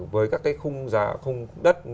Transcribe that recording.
với các cái khung đất